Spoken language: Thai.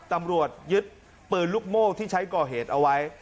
ตำรวจยึดปืนลูกโม่ที่ใช้ก่อเหตุเอาไว้